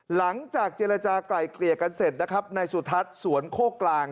หลังจากเจรจากลายเกลี่ยกันเสร็จนะครับนายสุทัศน์สวนโคกลาง